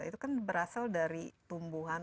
itu kan berasal dari tumbuhan